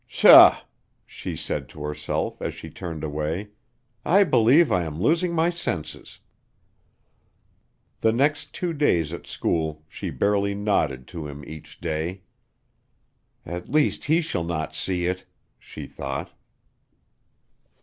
"Pshaw," she said to herself as she turned away, "I believe I am losing my senses." The next two days at school she barely nodded to him each day. "At least he shall not see it," she thought.